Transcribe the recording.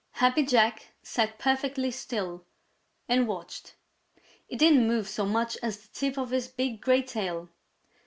Happy Jack sat perfectly still and watched. He didn't move so much as the tip of his big gray tail.